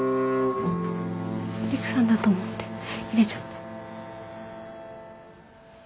陸さんだと思って入れちゃって。